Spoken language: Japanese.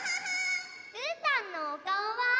うーたんのおかおは。